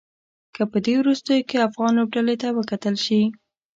که په دې وروستيو کې افغان لوبډلې ته وکتل شي.